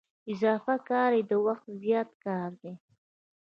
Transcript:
اضافه کاري د وخت زیات کار دی